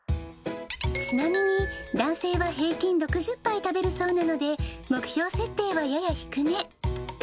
ちなみに男性は平均６０杯食べるそうなので、目標設定はやや低め。